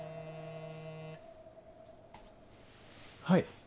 はい。